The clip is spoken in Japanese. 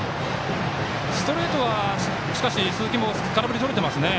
ストレートは鈴木も空振りとれていますね。